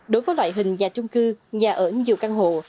đối với loại hình nhà trung cư nhà ở nhiều căn hộ